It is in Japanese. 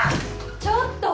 ちょっと！